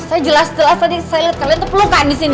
saya jelas jelas tadi saya lihat kalian tuh pelukan disini